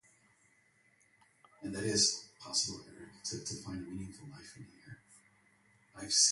The city of Watervliet is the only incorporated municipality in the township.